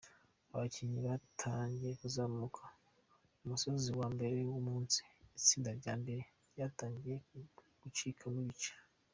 Abakinnyi batangiye kuzamuka umusozi wa mbere w’umunsi, itsinda ry’imbere ryatangiye gucikamo ibice.